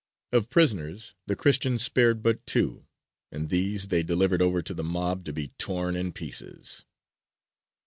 Of prisoners, the Christians spared but two, and these they delivered over to the mob to be torn in pieces.